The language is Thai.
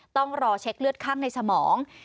ต้องรอเช็คเลือดข้างในสมอง